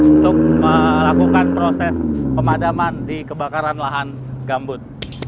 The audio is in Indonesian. untuk melakukan proses pemadaman di kebakaran lahan gambut